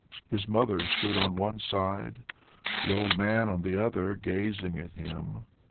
His mother stood on one side, the old man on the other, gazing at him....